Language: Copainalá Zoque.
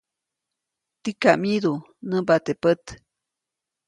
Tikam myidu, nämba teʼ pät.